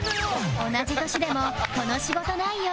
同じ年でもこの仕事内容